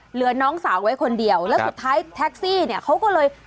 น้องสาวไว้คนเดียวแล้วสุดท้ายแท็กซี่เนี่ยเขาก็เลย